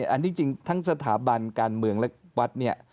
อันนี้จริงทั้งสถาบันการเมืองและวัดเนี่ย